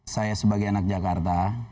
saya sebagai anak jakarta